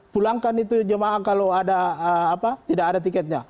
pulangkan itu jemaah kalau tidak ada tiketnya